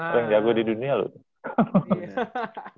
orang jago di dunia loh